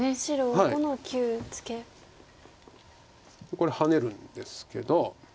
これハネるんですけど。